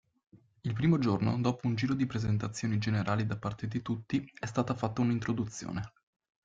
Il primo giorno, dopo un giro di presentazioni generali da parte di tutti, è stata fatta una introduzione.